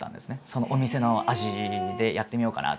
そのお店の味でやってみようかな。